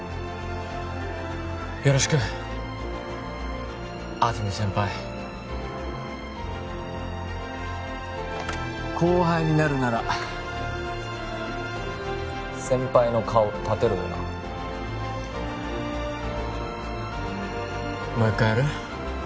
よろしく安積先輩後輩になるなら先輩の顔立てろよなもう一回やる？